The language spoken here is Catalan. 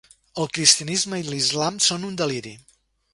El cristianisme i l'islam són un deliri.